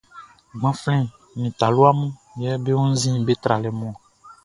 Gbanflɛn nin talua mun yɛ be wunnzin be tralɛ mun ɔn.